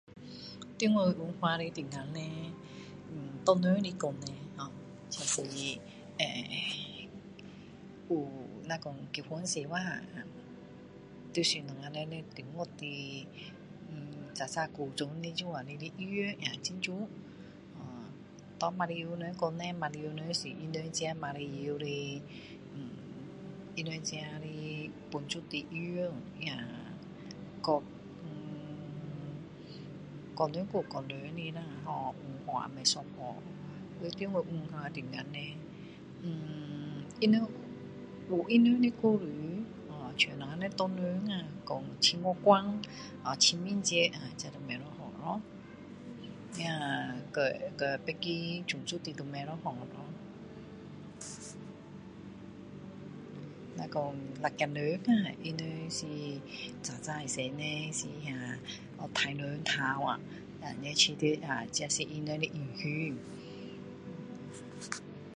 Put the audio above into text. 在我有 [unintelligible] 的时候,华人来说.[ehh]就是有那说结婚的时候啊，要穿我们中国的[ehh]早早古装的这样衣服也很美。啊给melayu人来说,melayu人穿他自己melayu的[ehh]他们自己的本族的衣服[ehh]。那个[ehh]各人有各人的咯哦文化不一样。在他们文化的时候，[ehh]他们有他们的故事哦，像我们华人啊讲七月关，啊清明节，啊这就不一样咯，那跟别的种族都不一样。那说拉子人呢他们是早期以前呢，杀人头啊，是觉得这是他们的英雄。